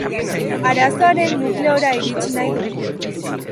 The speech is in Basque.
Arazoaren nukleora iritsi nahi dugu.